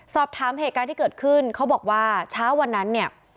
สอบถามเหตุการณ์ที่เกิดขึ้นเขาบอกว่าเช้าวันนั้นเนี่ย